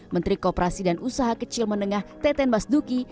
menteri kooperasi dan usaha kecil menengah teten basduki